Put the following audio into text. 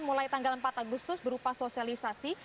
dan juga menentukan mulai tanggal empat agustus berupa sosialisasi